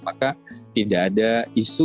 maka tidak ada isu